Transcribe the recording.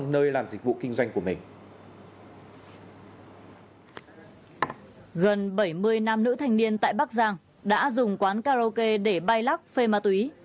gần bảy mươi nam nữ thanh niên tại bắc giang đã dùng quán karaoke để bay lắc phê ma túy